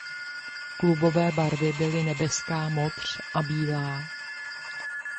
Klubové barvy byly nebeská modř a bílá.